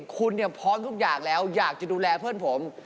คุณพร้อมทุกอย่างแล้วอยากจะดูแลเพื่อนผม